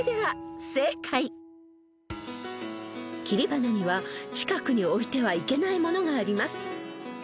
［切り花には近くに置いてはいけないものがあります］